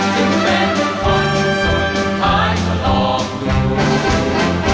จึงเป็นคนสุดท้ายพอลองดู